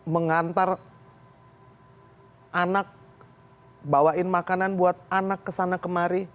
mengantar anak bawain makanan buat anak kesana kemari